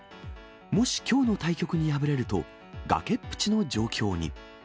もしきょうの対局に敗れると、崖っぷちの状況に。